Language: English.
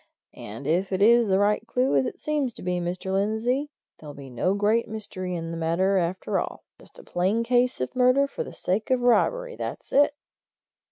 "And if it is the right clue, as it seems to be, Mr. Lindsey, there'll be no great mystery in the matter, after all. Just a plain case of murder for the sake of robbery that's it!"